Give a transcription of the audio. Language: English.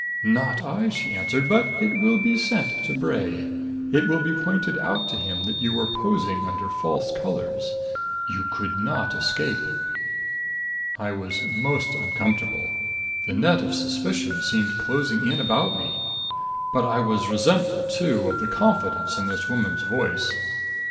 "Not I," she answered. "But it will be sent to Bray. It will be pointed out to him that you were posing under false colors. You could not escape!" I was most uncomfortable. The net of suspicion seemed closing in about me. But I was resentful, too, of the confidence in this woman's voice.